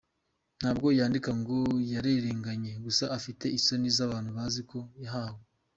Ntabwo yandika ngo yararenganye, gusa afite isoni z’abantu bazi ko yahanwe.